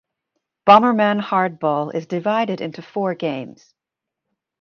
Bomberman Hardball is divided into four games.